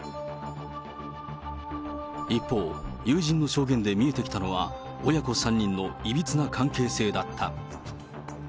一方、友人の証言で見えてきたのは、親子３人のいびつな関係性だった。